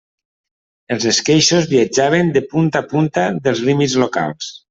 Els esqueixos viatjaven de punta a punta dels límits locals.